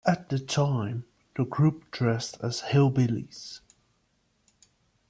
At that time the group dressed as hillbillies.